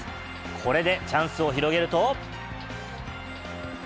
これでチャンスを広げると。